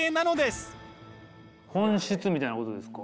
本質みたいなことですか。